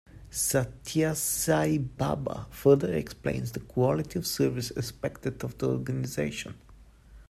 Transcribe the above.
Sathya Sai Baba further explains the quality of service expected of the organization.